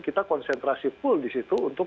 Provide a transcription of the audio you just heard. kita konsentrasi full di situ untuk